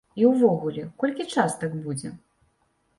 І ўвогуле, колькі частак будзе?